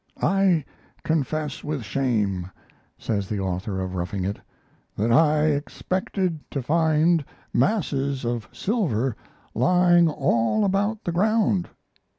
"I confess with shame," says the author of 'Roughing It', "that I expected to find masses of silver lying all about the ground."